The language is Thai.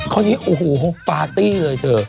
คนนี้โอ้โหปาร์ตี้เลยเธอ